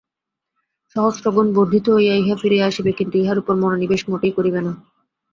সহস্রগুণ বর্ধিত হইয়া ইহা ফিরিয়া আসিবে, কিন্তু ইহার উপর মনোনিবেশ মোটেই করিবে না।